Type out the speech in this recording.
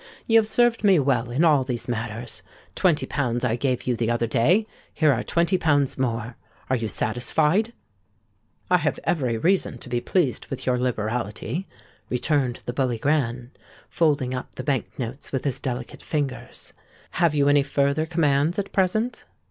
"You have served me well in all these matters. Twenty pounds I gave you the other day: here are twenty pounds more. Are you satisfied?" "I have every reason to be pleased with your liberality," returned the Bully Grand, folding up the bank notes with his delicate fingers. "Have you any further commands at present?"